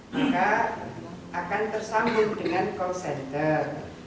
maka akan tersambung dengan call center satu lima satu satu tujuh